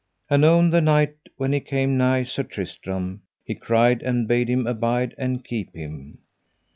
Anon the knight, when he came nigh Sir Tristram, he cried and bade him abide and keep him.